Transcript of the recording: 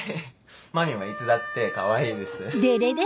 まみんはいつだってかわいいです。